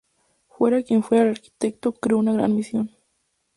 Fuera quien fuera el arquitecto, creó una gran mansión.